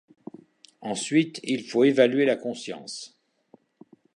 Ensuite il faut évaluer la conscience.